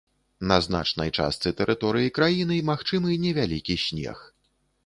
На значнай частцы тэрыторыі краіны магчымы невялікі снег.